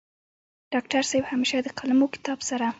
ډاکټر صيب همېشه د قلم او کتاب سره